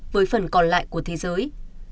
với phần còn lại của thế giới